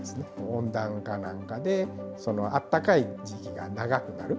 温暖化なんかで、そのあったかい時期が長くなる。